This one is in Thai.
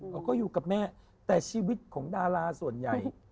เขาก็อยู่กับแม่แต่ชีวิตของดาราส่วนใหญ่